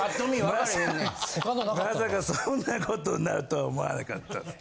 まさかそんなことになるとは思わなかったぜ。